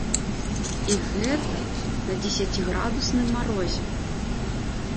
І гэта на дзесяціградусным марозе.